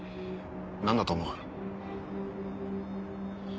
何だと思う？